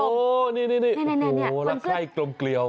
โอ้โฮนี่รักไข้กลมเกลียว